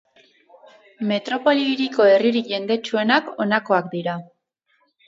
Metropoli-hiriko herririk jendetsuenak honakoak dira.